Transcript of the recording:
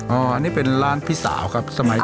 อันนี้เป็นร้านพี่สาวครับสมัย